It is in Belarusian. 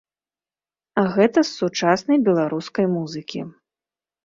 Гэта з сучаснай беларускай музыкі.